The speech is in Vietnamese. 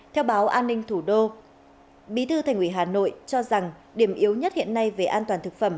theo báo an ninh thủ đô bí thư thành ủy hà nội cho rằng điểm yếu nhất hiện nay về an toàn thực phẩm